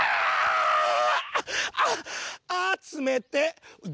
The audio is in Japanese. あつめてえ」。